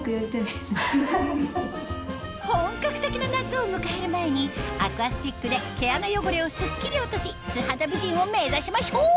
本格的な夏を迎える前にアクアスティックで毛穴汚れをすっきり落とし素肌美人を目指しましょう